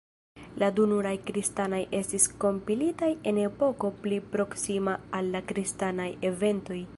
La du nuraj kristanaj estis kompilitaj en epoko pli proksima al la kristanaj eventoj.